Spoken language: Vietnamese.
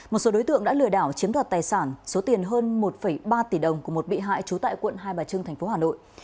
một số đối tượng đã lừa đảo chiếm đoạt tài sản số tiền hơn một ba tỷ đồng của một bị hại trú tại quận hai bà trưng tp hà nội